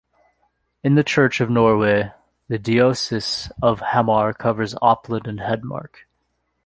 In the Church of Norway, the diocese of Hamar covers Oppland and Hedmark.